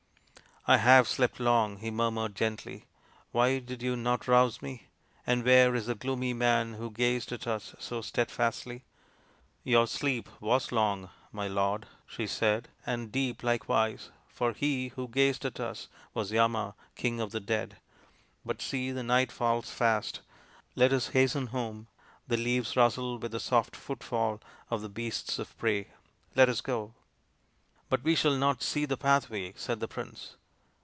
" I have slept long," he murmured gently. " Why did you not rouse me ? And where is the gloomy man who gazed at us so steadfastly ?"" Your sleep was long, my lord," she said, " and deep likewise, for he who gazed at us was Yama, King of the Dead. But see, the night falls fast. Let us hasten home. The leaves rustle with the soft footfall of the beasts of prey ! Let us go." " But we shall not see the pathway," said the prince.